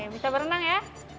bisa berenang ya